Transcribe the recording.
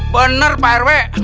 benar pak rw